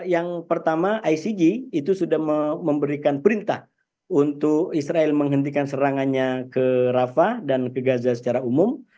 yang pertama icg itu sudah memberikan perintah untuk israel menghentikan serangannya ke rafa dan ke gaza secara umum